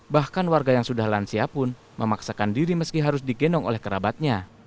bahkan warga yang sudah lansia pun memaksakan diri meski harus digendong oleh kerabatnya